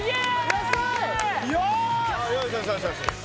安い！